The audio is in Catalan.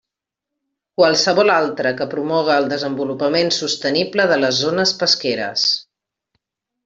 Qualsevol altra que promoga el desenvolupament sostenible de les zones pesqueres.